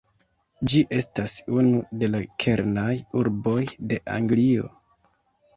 Ĝi estas unu de la kernaj urboj de Anglio.